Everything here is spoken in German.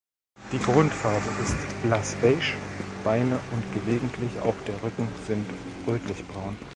Die Grundfarbe ist blass-beige, Beine und gelegentlich auch der Rücken sind rötlichbraun.